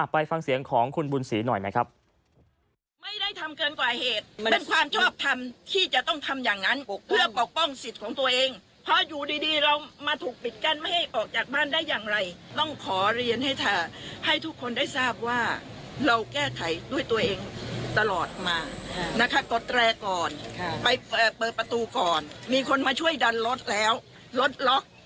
ไปฟังเสียงของคุณบุญศรีหน่อยนะครับ